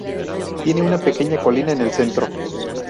Tiene una pequeña colina en el centro.